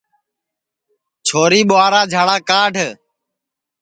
چھوری ٻُہارا جھاڑا کاڈؔ